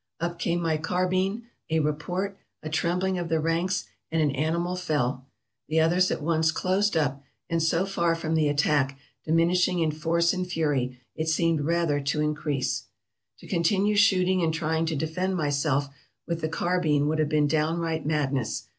Up came my carbine, a report, a trembling of the ranks, and an animal fell; the others at once closed up, and so far from the attack diminishing in force and fury, it seemed rather to increase. To continue shooting and trying to defend myself with the car bine would have been downright madness.